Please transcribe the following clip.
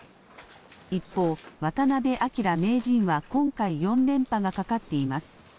一方、渡辺明名人は今回４連覇がかかっています。